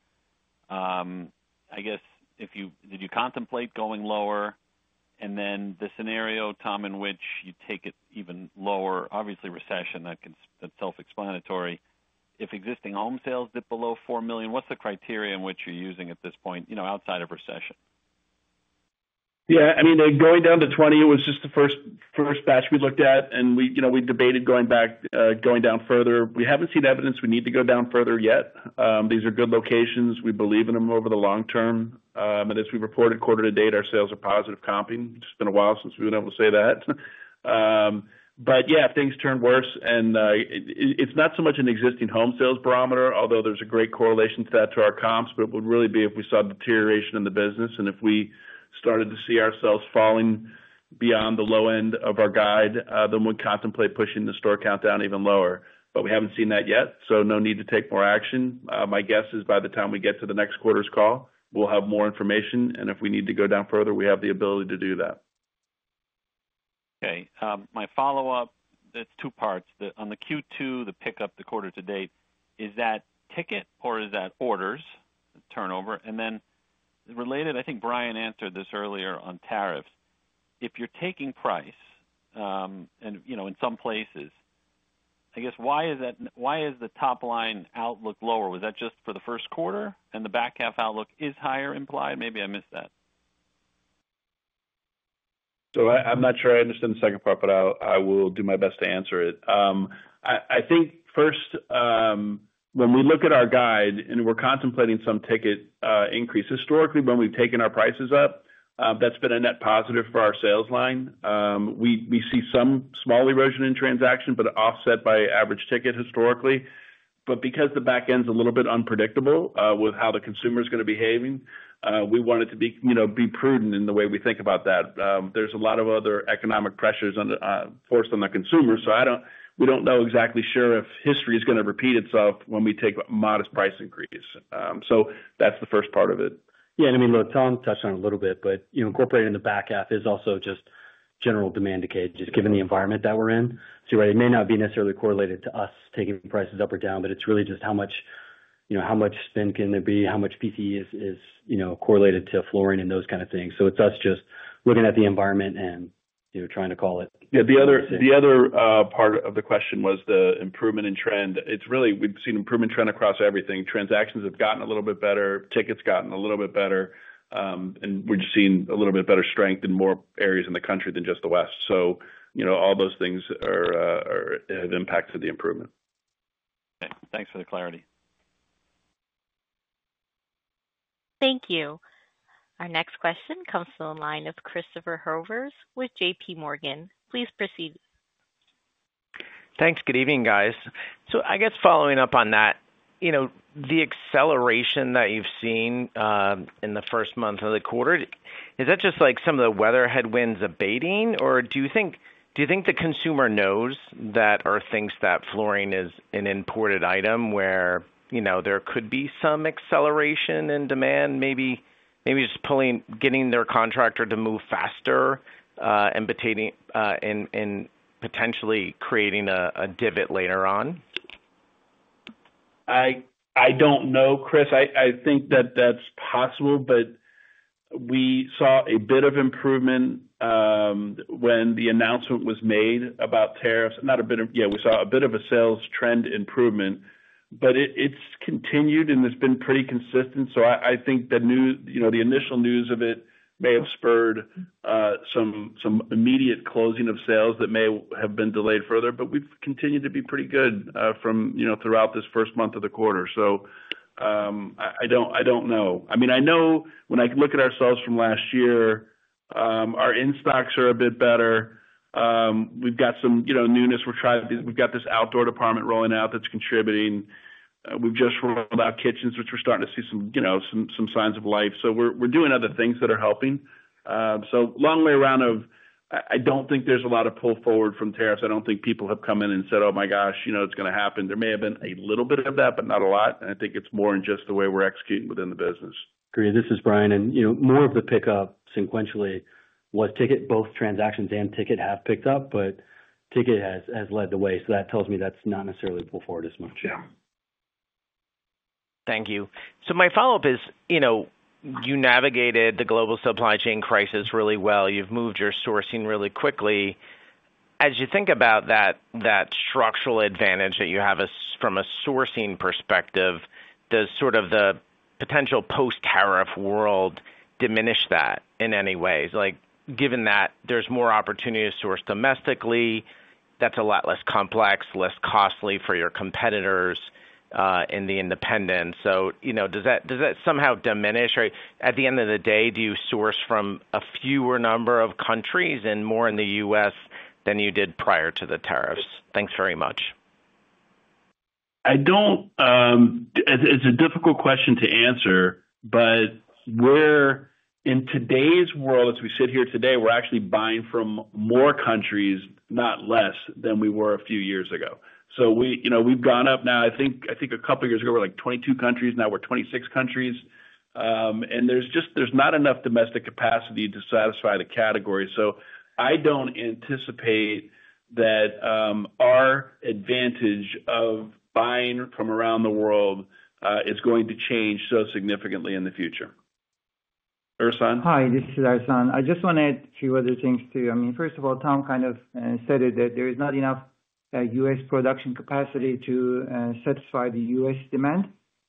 I guess if you did, you contemplate going lower? The scenario, Tom, in which you take it even lower, obviously recession, that's self-explanatory. If existing home sales dip below 4 million, what's the criteria in which you're using at this point, you know, outside of recession? Yeah. I mean, going down to 20, it was just the first batch we looked at. And we, you know, we debated going back going down further. We have not seen evidence we need to go down further yet. These are good locations. We believe in them over the long term. And as we have reported quarter to date, our sales are positive comping. It has been a while since we have been able to say that. Yeah, if things turn worse, and it is not so much an existing home sales barometer, although there is a great correlation to that to our comps, it would really be if we saw deterioration in the business. If we started to see ourselves falling beyond the low end of our guide, then we would contemplate pushing the store countdown even lower. We have not seen that yet, so no need to take more action. My guess is by the time we get to the next quarter's call, we'll have more information. If we need to go down further, we have the ability to do that. Okay. My follow-up, it's two parts. On the Q2, the pickup, the quarter to date, is that ticket or is that orders turnover? Related, I think Bryan answered this earlier on tariffs. If you're taking price and, you know, in some places, I guess why is that, why is the top line outlook lower? Was that just for the first quarter? The back half outlook is higher implied? Maybe I missed that. I'm not sure I understand the second part, but I will do my best to answer it. I think first, when we look at our guide and we're contemplating some ticket increase, historically, when we've taken our prices up, that's been a net positive for our sales line. We see some small erosion in transaction, but offset by average ticket historically. Because the back end's a little bit unpredictable with how the consumer's going to be behaving, we wanted to be, you know, be prudent in the way we think about that. There's a lot of other economic pressures forced on the consumer. I don't know exactly sure if history is going to repeat itself when we take a modest price increase. That's the first part of it. Yeah. I mean, look, Tom touched on it a little bit, but, you know, incorporating the back half is also just general demand decay just given the environment that we're in. You're right. It may not be necessarily correlated to us taking prices up or down, but it's really just how much, you know, how much spend can there be, how much PCE is, you know, correlated to flooring and those kind of things. It's us just looking at the environment and, you know, trying to call it. Yeah. The other part of the question was the improvement in trend. It's really we've seen improvement trend across everything. Transactions have gotten a little bit better. Tickets gotten a little bit better. We're just seeing a little bit better strength in more areas in the country than just the West. You know, all those things have impacted the improvement. Okay. Thanks for the clarity. Thank you. Our next question comes from the line of Christopher Horvers with JPMorgan. Please proceed. Thanks. Good evening, guys. I guess following up on that, you know, the acceleration that you've seen in the first month of the quarter, is that just like some of the weather headwinds abating? Or do you think the consumer knows that or thinks that flooring is an imported item where, you know, there could be some acceleration in demand, maybe just pulling, getting their contractor to move faster and potentially creating a divot later on? I don't know, Chris. I think that that's possible. We saw a bit of improvement when the announcement was made about tariffs. Not a bit of, yeah, we saw a bit of a sales trend improvement. It's continued, and it's been pretty consistent. I think the new, you know, the initial news of it may have spurred some immediate closing of sales that may have been delayed further. We've continued to be pretty good from, you know, throughout this first month of the quarter. I don't know. I mean, I know when I look at our sales from last year, our in-stocks are a bit better. We've got some, you know, newness. We're trying to, we've got this outdoor department rolling out that's contributing. We've just rolled out kitchens, which we're starting to see some, you know, some signs of life. We're doing other things that are helping. Long way around of I don't think there's a lot of pull forward from tariffs. I don't think people have come in and said, "Oh my gosh, you know, it's going to happen." There may have been a little bit of that, but not a lot. I think it's more in just the way we're executing within the business. Great. This is Bryan. You know, more of the pickup sequentially was ticket. Both transactions and ticket have picked up, but ticket has led the way. That tells me that's not necessarily pulled forward as much. Yeah. Thank you. My follow-up is, you know, you navigated the global supply chain crisis really well. You moved your sourcing really quickly. As you think about that structural advantage that you have from a sourcing perspective, does sort of the potential post-tariff world diminish that in any ways? Like, given that there is more opportunity to source domestically, that is a lot less complex, less costly for your competitors and the independents. You know, does that somehow diminish? Or at the end of the day, do you source from a fewer number of countries and more in the United States than you did prior to the tariffs? Thanks very much. I don't think it's a difficult question to answer, but we're in today's world, as we sit here today, we're actually buying from more countries, not less than we were a few years ago. So we, you know, we've gone up now. I think a couple of years ago, we were like 22 countries. Now we're 26 countries. And there's just not enough domestic capacity to satisfy the category. I don't anticipate that our advantage of buying from around the world is going to change so significantly in the future. Ersan? Hi. This is Ersan. I just want to add a few other things too. I mean, first of all, Tom kind of said it that there is not enough U.S. production capacity to satisfy the U.S. demand.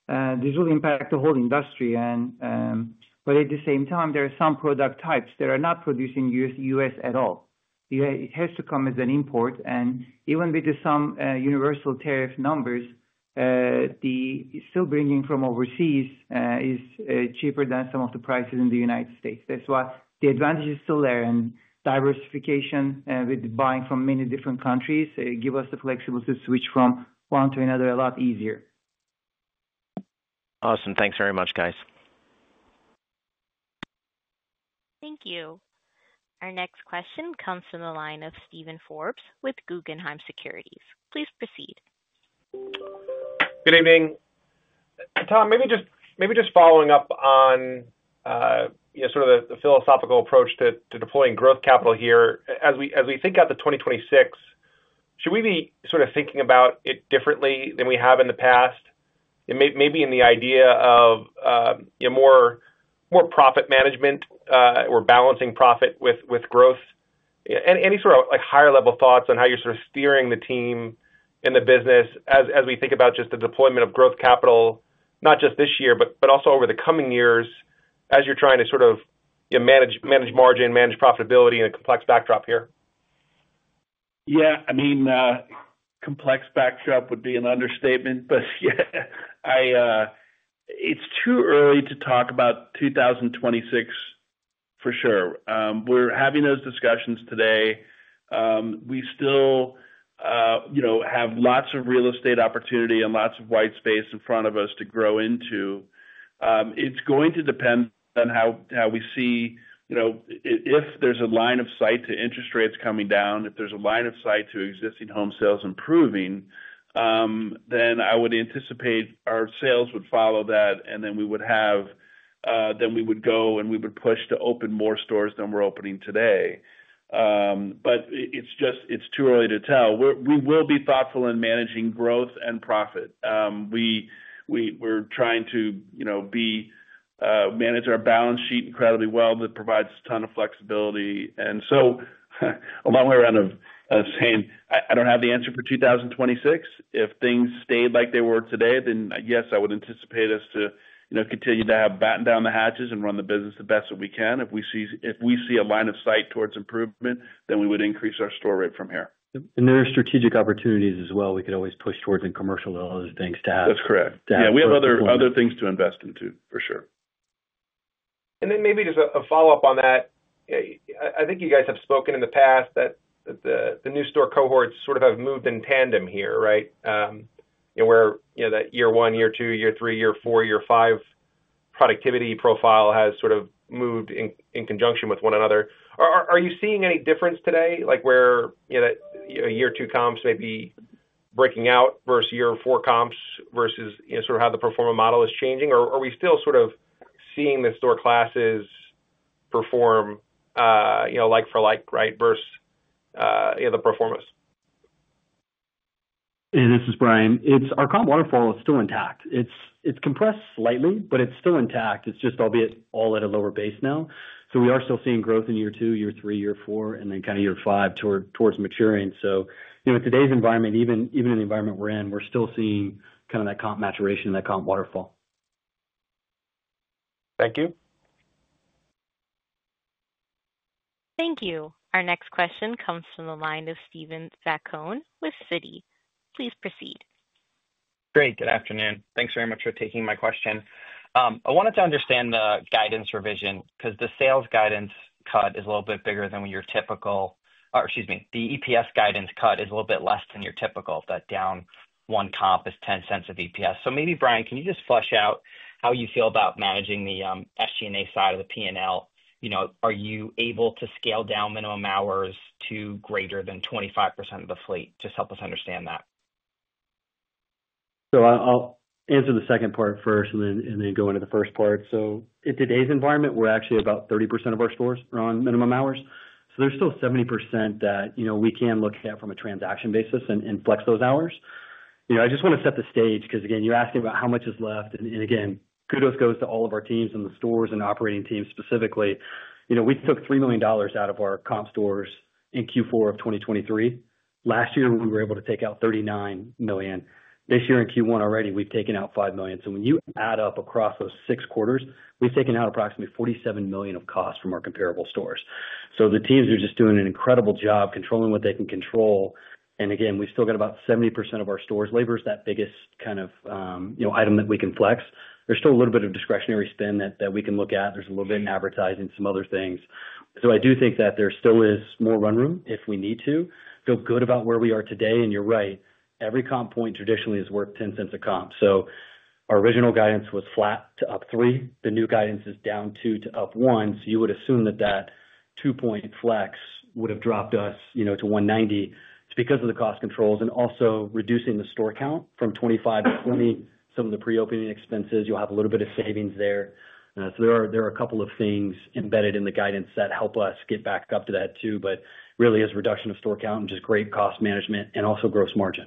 This will impact the whole industry. At the same time, there are some product types that are not produced in the U.S. at all. It has to come as an import. Even with some universal tariff numbers, still bringing from overseas is cheaper than some of the prices in the United States. That's why the advantage is still there. Diversification with buying from many different countries gives us the flexibility to switch from one to another a lot easier. Awesome. Thanks very much, guys. Thank you. Our next question comes from the line of Steven Forbes with Guggenheim Securities. Please proceed. Good evening. Tom, maybe just following up on, you know, sort of the philosophical approach to deploying growth capital here. As we think about the 2026, should we be sort of thinking about it differently than we have in the past? Maybe in the idea of, you know, more profit management or balancing profit with growth? Any sort of, like, higher-level thoughts on how you're sort of steering the team in the business as we think about just the deployment of growth capital, not just this year, but also over the coming years as you're trying to sort of manage margin, manage profitability in a complex backdrop here? Yeah. I mean, complex backdrop would be an understatement, but yeah, it's too early to talk about 2026 for sure. We're having those discussions today. We still, you know, have lots of real estate opportunity and lots of white space in front of us to grow into. It's going to depend on how we see, you know, if there's a line of sight to interest rates coming down, if there's a line of sight to existing home sales improving, then I would anticipate our sales would follow that. We would go and we would push to open more stores than we're opening today. It's just too early to tell. We will be thoughtful in managing growth and profit. We're trying to, you know, manage our balance sheet incredibly well. That provides a ton of flexibility. A long way around of saying I don't have the answer for 2026. If things stayed like they were today, then yes, I would anticipate us to, you know, continue to have batten down the hatches and run the business the best that we can. If we see a line of sight towards improvement, then we would increase our store rate from here. There are strategic opportunities as well. We could always push towards in commercial and other things to have. Yeah. We have other things to invest into for sure. Maybe just a follow-up on that. I think you guys have spoken in the past that the new store cohorts sort of have moved in tandem here, right? You know, where, you know, that year one, year two, year three, year four, year five productivity profile has sort of moved in conjunction with one another. Are you seeing any difference today, like, where, you know, that year two comps may be breaking out versus year four comps versus, you know, sort of how the performance model is changing? Or are we still sort of seeing the store classes perform, you know, like for like, right, versus, you know, the performance? Hey, this is Bryan. It's our comp waterfall is still intact. It's compressed slightly, but it's still intact. It's just albeit all at a lower base now. We are still seeing growth in year two, year three, year four, and then kind of year five towards maturing. You know, in today's environment, even in the environment we're in, we're still seeing kind of that comp maturation and that comp waterfall. Thank you. Thank you. Our next question comes from the line of Steven Zaccone with Citi. Please proceed. Great. Good afternoon. Thanks very much for taking my question. I wanted to understand the guidance revision because the sales guidance cut is a little bit bigger than what your typical, or excuse me, the EPS guidance cut is a little bit less than your typical. That down one comp is 10 cents of EPS. Maybe, Bryan, can you just flesh out how you feel about managing the SG&A side of the P&L? You know, are you able to scale down minimum hours to greater than 25% of the fleet? Just help us understand that. I'll answer the second part first and then go into the first part. In today's environment, we're actually about 30% of our stores are on minimum hours. There's still 70% that, you know, we can look at from a transaction basis and flex those hours. You know, I just want to set the stage because, again, you asked me about how much is left. Again, kudos goes to all of our teams and the stores and operating teams specifically. You know, we took $3 million out of our comp stores in Q4 of 2023. Last year, we were able to take out $39 million. This year in Q1 already, we've taken out $5 million. When you add up across those six quarters, we've taken out approximately $47 million of costs from our comparable stores. The teams are just doing an incredible job controlling what they can control. Again, we've still got about 70% of our stores' labor is that biggest kind of, you know, item that we can flex. There's still a little bit of discretionary spend that we can look at. There's a little bit in advertising, some other things. I do think that there still is more run room if we need to. Feel good about where we are today. You're right. Every comp point traditionally has worked $0.10 a comp. Our original guidance was flat to up three. The new guidance is down two to up one. You would assume that that two-point flex would have dropped us, you know, to $1.90. It's because of the cost controls and also reducing the store count from 25 to 20, some of the pre-opening expenses. You'll have a little bit of savings there. There are a couple of things embedded in the guidance that help us get back up to that too, but really is reduction of store count and just great cost management and also gross margin,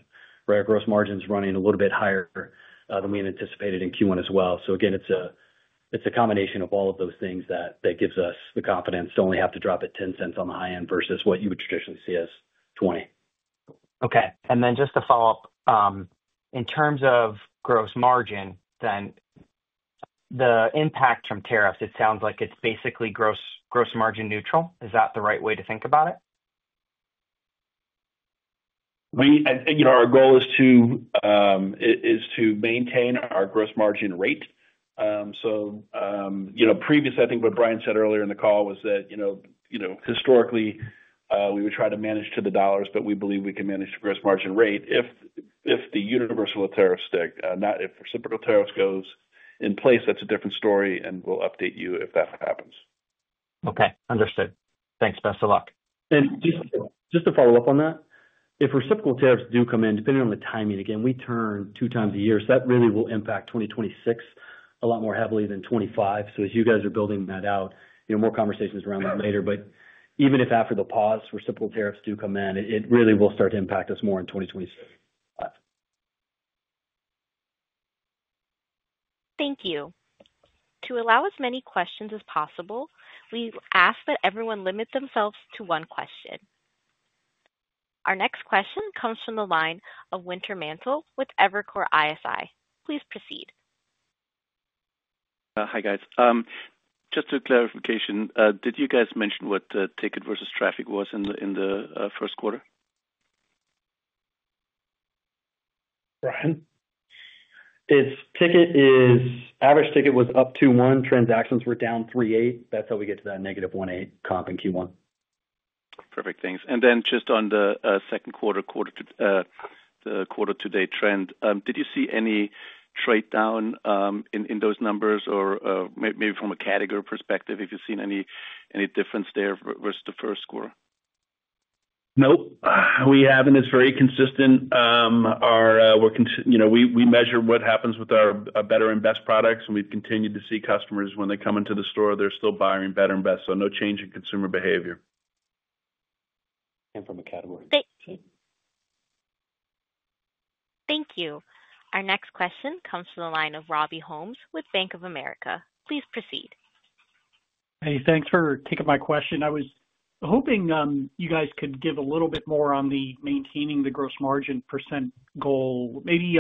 right? Our gross margin is running a little bit higher than we had anticipated in Q1 as well. Again, it's a combination of all of those things that gives us the confidence to only have to drop it $0.10 on the high end versus what you would traditionally see as $0.20. Okay. Just to follow up, in terms of gross margin, then the impact from tariffs, it sounds like it's basically gross margin neutral. Is that the right way to think about it? I mean, you know, our goal is to maintain our gross margin rate. You know, previous, I think what Bryan said earlier in the call was that, you know, historically, we would try to manage to the dollars, but we believe we can manage the gross margin rate if the universal tariffs stick, not if reciprocal tariffs goes in place. That's a different story. We will update you if that happens. Okay. Understood. Thanks. Best of luck. Just to follow up on that, if reciprocal tariffs do come in, depending on the timing, again, we turn two times a year. That really will impact 2026 a lot more heavily than 2025. As you guys are building that out, you know, more conversations around that later. Even if after the pause, reciprocal tariffs do come in, it really will start to impact us more in 2025. Thank you. To allow as many questions as possible, we ask that everyone limit themselves to one question. Our next question comes from the line of Wintermantel with Evercore ISI. Please proceed. Hi, guys. Just a clarification. Did you guys mention what ticket versus traffic was in the first quarter? Bryan. Its ticket is average ticket was up 2.1. Transactions were down 3.8. That's how we get to that negative 1.8% comp in Q1. Perfect. Thanks. Just on the second quarter, quarter-to-date trend, did you see any trade down in those numbers or maybe from a category perspective, if you've seen any difference there versus the first quarter? Nope. We haven't. It's very consistent. We measure what happens with our better and best products. And we've continued to see customers, when they come into the store, they're still buying better and best. So no change in consumer behavior. From a category. Thank you. Thank you. Our next question comes from the line of Robbie Ohmes with Bank of America. Please proceed. Hey, thanks for taking my question. I was hoping you guys could give a little bit more on the maintaining the gross margin percentage goal. Maybe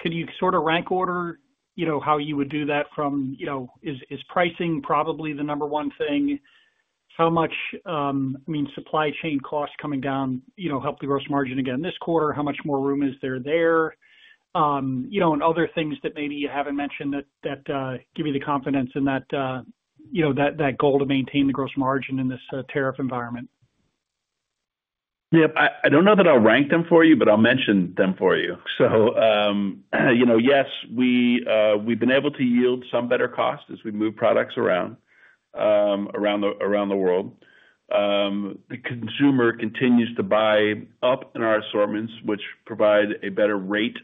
could you sort of rank order, you know, how you would do that from, you know, is pricing probably the number one thing? How much, I mean, supply chain costs coming down, you know, help the gross margin again this quarter? How much more room is there there? You know, and other things that maybe you haven't mentioned that give you the confidence in that, you know, that goal to maintain the gross margin in this tariff environment. Yep. I don't know that I'll rank them for you, but I'll mention them for you. You know, yes, we've been able to yield some better costs as we move products around the world. The consumer continues to buy up in our assortments, which provide a better rate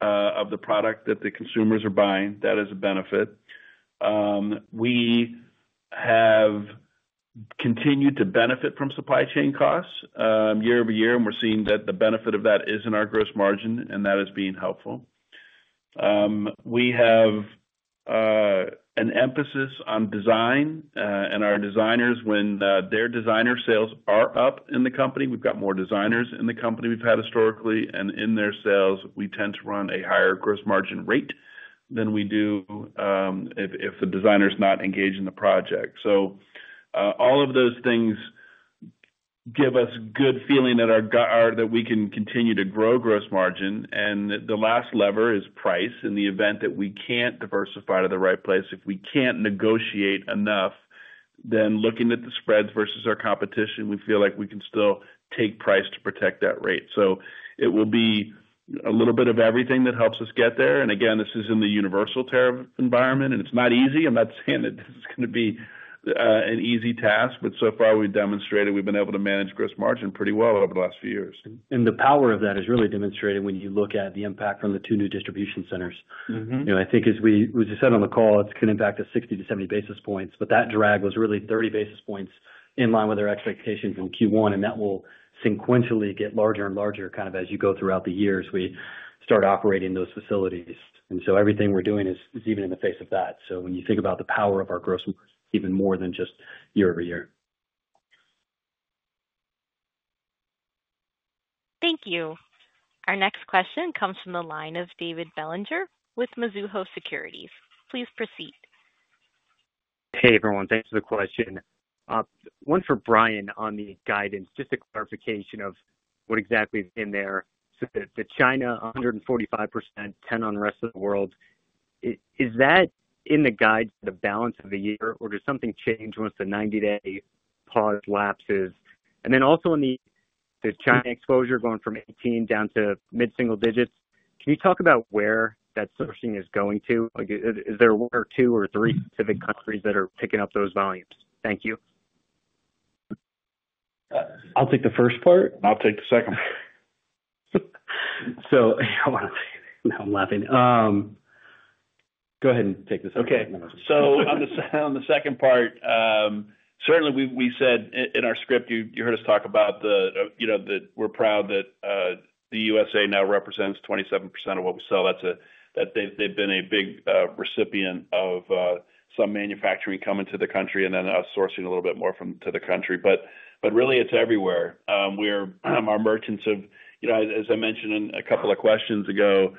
of the product that the consumers are buying. That is a benefit. We have continued to benefit from supply chain costs year-over-year. We're seeing that the benefit of that is in our gross margin, and that is being helpful. We have an emphasis on design. Our designers, when their designer sales are up in the company, we've got more designers in the company than we've had historically. In their sales, we tend to run a higher gross margin rate than we do if the designer is not engaged in the project. All of those things give us a good feeling that we can continue to grow gross margin. The last lever is price. In the event that we can't diversify to the right place, if we can't negotiate enough, then looking at the spreads versus our competition, we feel like we can still take price to protect that rate. It will be a little bit of everything that helps us get there. Again, this is in the universal tariff environment. It's not easy. I'm not saying that this is going to be an easy task. So far, we've demonstrated we've been able to manage gross margin pretty well over the last few years. The power of that is really demonstrated when you look at the impact from the two new distribution centers. You know, I think as we just said on the call, it's going to impact us 60-70 basis points. That drag was really 30 basis points in line with our expectations in Q1. That will sequentially get larger and larger kind of as you go throughout the years we start operating those facilities. Everything we're doing is even in the face of that. When you think about the power of our gross margin, it's even more than just year over year. Thank you. Our next question comes from the line of David Bellinger with Mizuho Securities. Please proceed. Hey, everyone. Thanks for the question. One for Bryan on the guidance, just a clarification of what exactly is in there. The China 145%, 10 on the rest of the world, is that in the guide to the balance of the year, or does something change once the 90-day pause lapses? Also, in the China exposure going from 18 down to mid-single digits, can you talk about where that sourcing is going to? Is there one or two or three specific countries that are picking up those volumes? Thank you. I'll take the first part. I'll take the second part. Hold on. Now I'm laughing. Go ahead and take this one. Okay. On the second part, certainly we said in our script, you heard us talk about the, you know, that we're proud that the U.S.A. now represents 27% of what we sell. That's a, that they've been a big recipient of some manufacturing coming to the country and then sourcing a little bit more from to the country. Really, it's everywhere. Our merchants, you know, as I mentioned a couple of questions ago,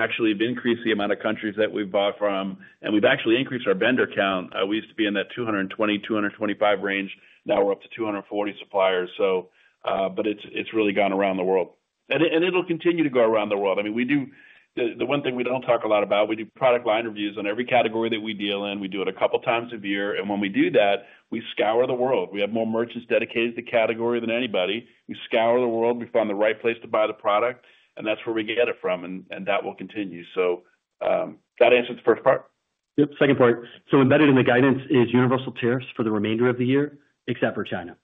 actually have increased the amount of countries that we've bought from. We've actually increased our vendor count. We used to be in that 220-225 range. Now we're up to 240 suppliers. It's really gone around the world. It'll continue to go around the world. I mean, the one thing we don't talk a lot about, we do product line reviews on every category that we deal in. We do it a couple of times a year. When we do that, we scour the world. We have more merchants dedicated to the category than anybody. We scour the world. We find the right place to buy the product. That's where we get it from. That will continue. That answers the first part. Yep. Second part. Embedded in the guidance is universal tariffs for the remainder of the year except for China.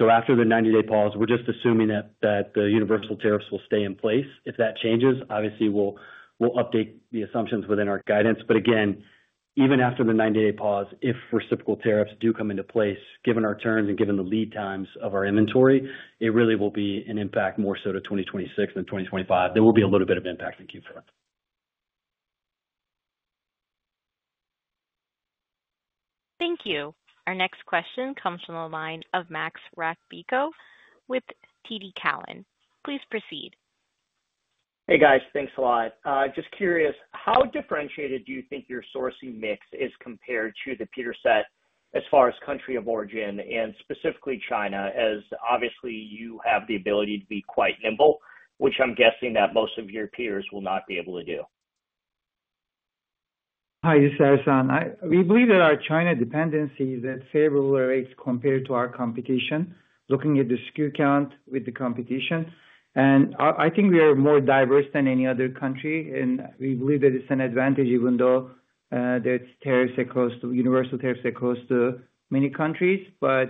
After the 90-day pause, we're just assuming that the universal tariffs will stay in place. If that changes, obviously, we'll update the assumptions within our guidance. Again, even after the 90-day pause, if reciprocal tariffs do come into place, given our turns and given the lead times of our inventory, it really will be an impact more so to 2026 than 2025. There will be a little bit of impact in Q4. Thank you. Our next question comes from the line of Max Rakhlenko with TD Cowen. Please proceed. Hey, guys. Thanks a lot. Just curious, how differentiated do you think your sourcing mix is compared to the peer set as far as country of origin and specifically China? As obviously, you have the ability to be quite nimble, which I'm guessing that most of your peers will not be able to do. Hi, this is Ersan. We believe that our China dependency is at favorable rates compared to our competition, looking at the SKU count with the competition. I think we are more diverse than any other country. We believe that it is an advantage even though there are tariffs, universal tariffs across many countries.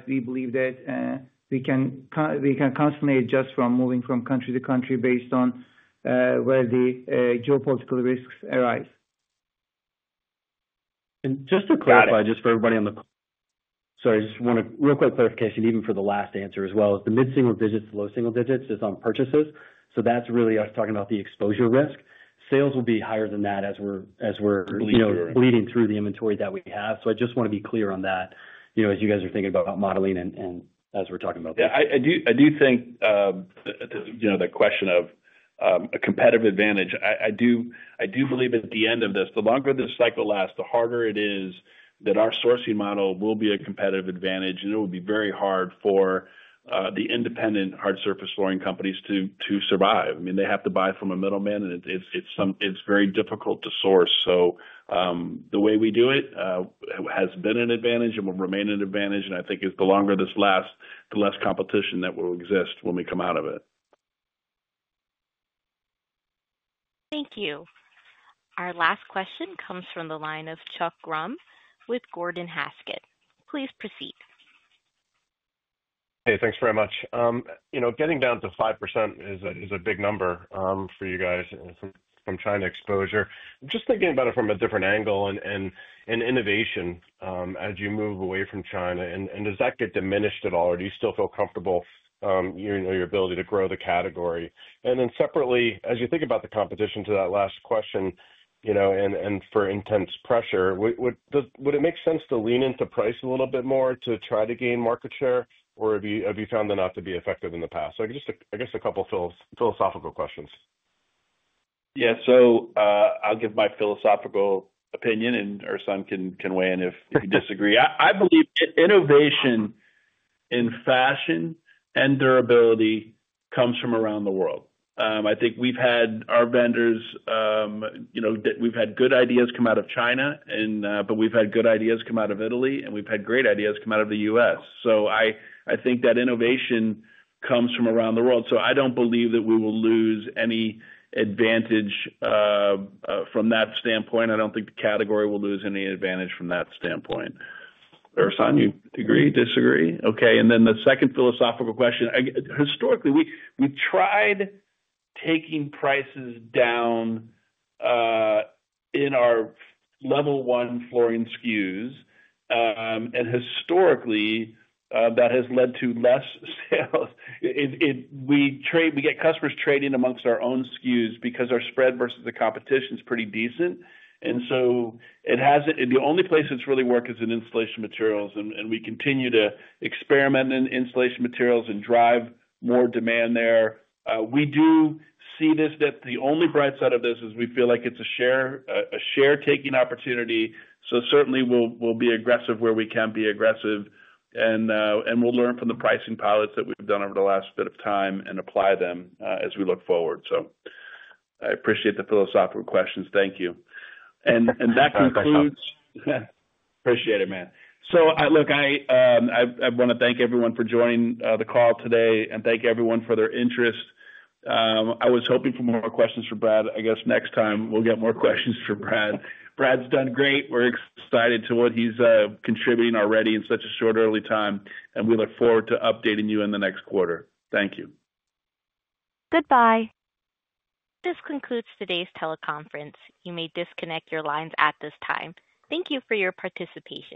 We believe that we can constantly adjust from moving from country to country based on where the geopolitical risks arise. Just to clarify, just for everybody on the call, sorry, I just want a real quick clarification even for the last answer as well. The mid-single digits, the low single digits is on purchases. That is really us talking about the exposure risk. Sales will be higher than that as we are, you know, bleeding through the inventory that we have. I just want to be clear on that, you know, as you guys are thinking about modeling and as we are talking about this. Yeah. I do think, you know, the question of a competitive advantage, I do believe at the end of this, the longer the cycle lasts, the harder it is that our sourcing model will be a competitive advantage. It will be very hard for the independent hard surface flooring companies to survive. I mean, they have to buy from a middleman. It is very difficult to source. The way we do it has been an advantage and will remain an advantage. I think as the longer this lasts, the less competition that will exist when we come out of it. Thank you. Our last question comes from the line of Chuck Grom with Gordon Haskett. Please proceed. Hey, thanks very much. You know, getting down to 5% is a big number for you guys from China exposure. I'm just thinking about it from a different angle and innovation as you move away from China. And does that get diminished at all? Or do you still feel comfortable, you know, your ability to grow the category? Then separately, as you think about the competition to that last question, you know, and for intense pressure, would it make sense to lean into price a little bit more to try to gain market share? Or have you found that not to be effective in the past? I guess a couple of philosophical questions. Yeah. I'll give my philosophical opinion. Ersan can weigh in if you disagree. I believe innovation in fashion and durability comes from around the world. I think we've had our vendors, you know, we've had good ideas come out of China. We've had good ideas come out of Italy. We've had great ideas come out of the US. I think that innovation comes from around the world. I don't believe that we will lose any advantage from that standpoint. I don't think the category will lose any advantage from that standpoint. Ersan, you agree? Disagree? Okay. The second philosophical question, historically, we've tried taking prices down in our Level 1 flooring SKUs. Historically, that has led to less sales. We get customers trading amongst our own SKUs because our spread versus the competition is pretty decent. It has not, the only place it has really worked is in installation materials. We continue to experiment in installation materials and drive more demand there. We do see this, that the only bright side of this is we feel like it is a share-taking opportunity. Certainly, we will be aggressive where we can be aggressive. We will learn from the pricing pilots that we have done over the last bit of time and apply them as we look forward. I appreciate the philosophical questions. Thank you. That concludes. Appreciate it, man. I want to thank everyone for joining the call today and thank everyone for their interest. I was hoping for more questions for Brad. I guess next time we'll get more questions for Brad. Brad's done great. We're excited to what he's contributing already in such a short early time. We look forward to updating you in the next quarter. Thank you. Goodbye. This concludes today's teleconference. You may disconnect your lines at this time. Thank you for your participation.